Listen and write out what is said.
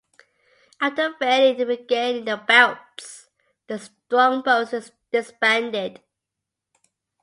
After failing in regaining the belts, the Strongbows disbanded.